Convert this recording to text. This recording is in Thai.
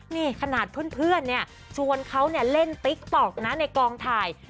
นี่ขนาดเพื่อนชวนเขาเล่นติ๊กต๊อกนะในกองถ่าย